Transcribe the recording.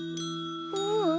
ううん。